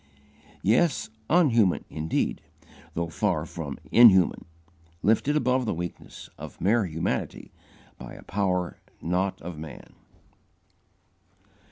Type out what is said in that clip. Yes, _un_human indeed, though far from _in_human, lifted above the weakness of mere humanity by a power not of man.